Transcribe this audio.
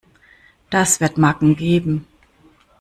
Das wird Macken geben.